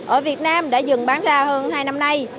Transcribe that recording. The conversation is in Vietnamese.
ở việt nam đã dừng bán ra hơn hai năm nay